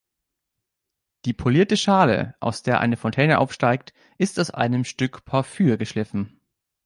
Die polierte Schale, aus der eine Fontäne aufsteigt, ist aus einem Stück Porphyr geschliffen.